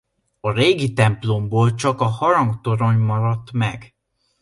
A régi templomból csak a harangtorony maradt meg.